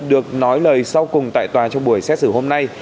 được nói lời sau cùng tại tòa trong buổi xét xử hôm nay